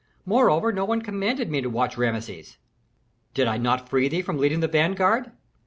"Moreover no one commanded me to watch Rameses." "Did I not free thee from leading the vanguard?